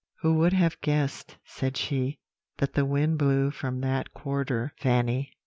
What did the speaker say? "'Who would have guessed,' said she, 'that the wind blew from that quarter, Fanny?